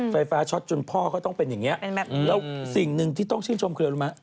ไฟฟ้าช็อตจนพ่อเขาต้องเป็นอย่างนี้แล้วสิ่งหนึ่งที่ต้องชื่นชมคืออะไรรู้ไหม